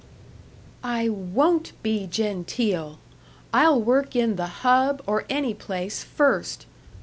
"I won't be genteel! I'll work in The Hub or any place first!"